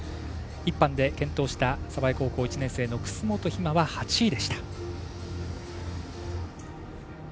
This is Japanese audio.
１班で健闘した鯖江高校の１年生の楠元妃真は８位でした。